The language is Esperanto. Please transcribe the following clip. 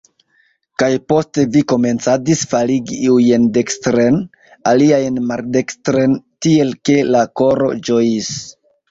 Kaj poste vi komencadis faligi iujn dekstren, aliajn maldekstren, tiel ke la koro ĝojis.